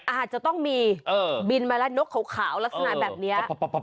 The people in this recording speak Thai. อาจจะต้องมีบินมาแล้วนกขาวลักษณะแบบนี้